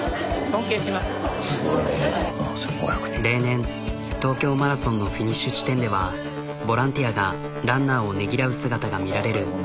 例年東京マラソンのフィニッシュ地点ではボランティアがランナーをねぎらう姿が見られる。